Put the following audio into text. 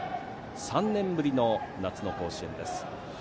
３年ぶりの夏の甲子園です。